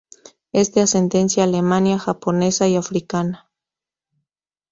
Es de ascendencia alemana, japonesa y africana.